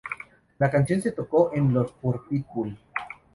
La canción se tocó en los por Pitbull.